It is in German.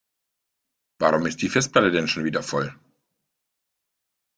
Warum ist die Festplatte denn schon wieder voll?